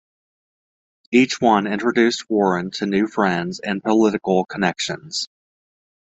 Each one introduced Warren to new friends and political connections.